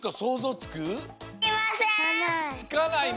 つかないね。